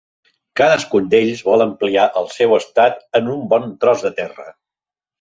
Cadascun d'ells vol ampliar el seu Estat amb un bon tros de terra.